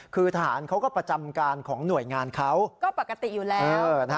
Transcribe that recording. คือทหารเขาก็ประจำการของหน่วยงานเขาก็ปกติอยู่แล้ว